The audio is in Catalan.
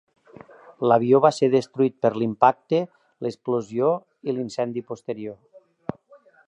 L'avió va ser destruït per l'impacte, l'explosió i l'incendi posterior.